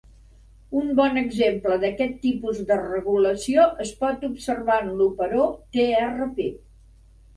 Un bon exemple d'aquest tipus de regulació es pot observar en l'operó trp.